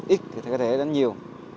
ít thì có thể đánh nhiều